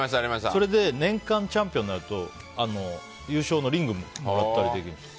それで年間チャンピオンになると優勝のリングもらったりできるんですよ。